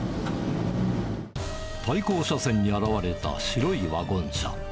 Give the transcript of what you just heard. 対向車線に現れた白いワゴン車。